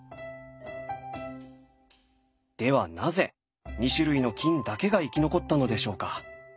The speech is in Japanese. ではなぜ２種類の菌だけが生き残ったのでしょうか？